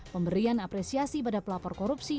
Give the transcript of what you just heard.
pemberian apresiasi pada pelapor korupsi